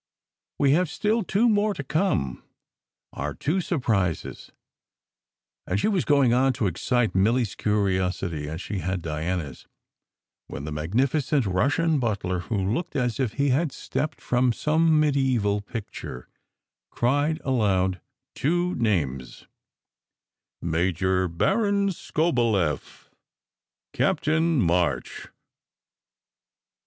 "We have still two more to come. Our two surprises," and she was going on to excite Milly s curiosity as she had Diana s, when the magnificent Russian butler, who looked as if he had stepped from some medieval picture, cried aloud two names: "Major Baron Skobeleff; Captain March."